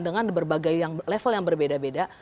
dengan berbagai level yang berbeda beda